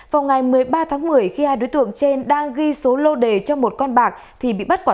vào ngày một mươi ba tháng một mươi khi hai đối tượng trên đang ghi số lô đề cho một con bạc